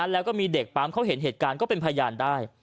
แล้วก็มีเด็กปั๊มเขาเห็นเหตุการณ์ก็เป็นพยานได้